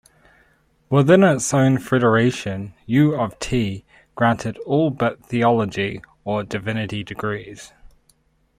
Within its own federation, U of T granted all but theology or divinity degrees.